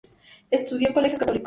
Estudió en colegios católicos.